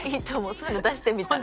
そういうの出してみたら？